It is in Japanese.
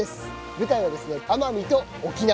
舞台はですね、奄美と沖縄。